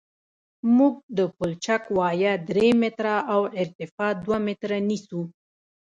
موږ د پلچک وایه درې متره او ارتفاع دوه متره نیسو